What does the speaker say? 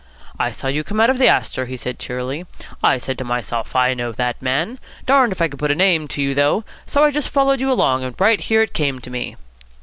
"I saw you come out of the Astor," he said cheerily. "I said to myself, 'I know that man.' Darned if I could put a name to you, though. So I just followed you along, and right here it came to me."